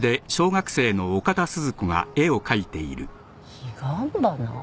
彼岸花？